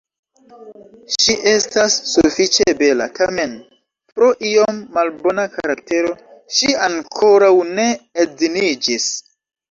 Ŝi estas sufiĉe bela, tamen pro iom malbona karaktero ŝi ankoraŭ ne edziniĝis.